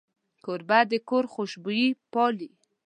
کوربه د کور خوشبويي پالي.